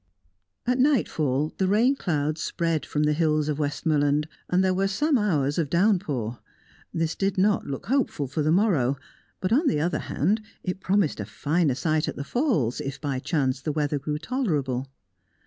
At nightfall, the rain clouds spread from the hills of Westmorland, and there were some hours of downpour. This did not look hopeful for the morrow, but, on the other hand, it promised a finer sight at the falls, if by chance the weather grew tolerable.